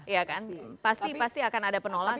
ya kan pasti pasti akan ada penolakan